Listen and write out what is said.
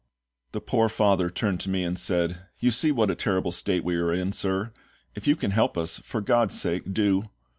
The poor father turned to me and said, "You see what a terrible state we are in, sir; if you can help us, for GOD'S sake do!"